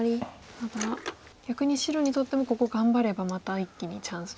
ただ逆に白にとってもここ頑張ればまた一気にチャンスと。